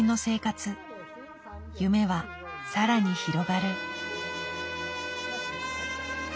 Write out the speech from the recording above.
夢はさらに広がる。